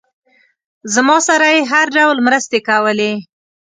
زما سره یې هر ډول مرستې کولې.